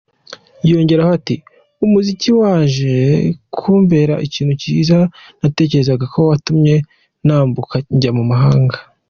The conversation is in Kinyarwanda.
Yongeyeho ati “Umuziki waje kumbera ikintu cyiza ntatekerezaga, watumye nambuka njya mu mahanga.